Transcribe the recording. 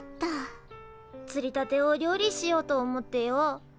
つりたてを料理しようと思ってよ。